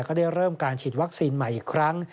ก็ได้เริ่มการฉีดวัคซีนใหม่อีกครั้ง